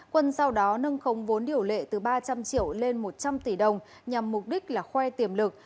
quân sau đó nâng không vốn điều lệ từ ba trăm linh triệu lên một trăm linh tỷ đồng nhằm mục đích là khoe tiềm lực